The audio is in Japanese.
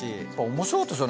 面白かったです。